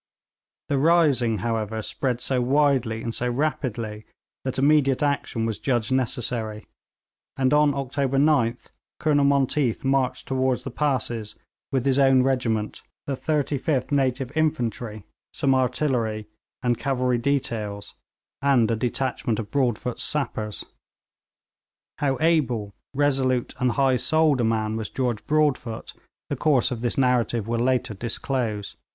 The rising, however, spread so widely and so rapidly that immediate action was judged necessary, and on October 9th Colonel Monteath marched towards the passes with his own regiment, the 35th Native Infantry, some artillery and cavalry details, and a detachment of Broadfoot's sappers. How able, resolute, and high souled a man was George Broadfoot, the course of this narrative will later disclose.